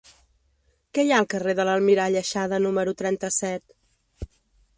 Què hi ha al carrer de l'Almirall Aixada número trenta-set?